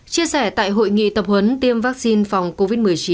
chia sẻ tại hội nghị tập huấn tiêm vaccine phòng covid một mươi chín